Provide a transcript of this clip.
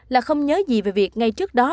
là không nhớ gì về việc ngay trước đó